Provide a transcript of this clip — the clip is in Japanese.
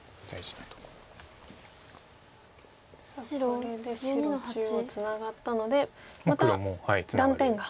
これで白中央ツナがったのでまた断点が。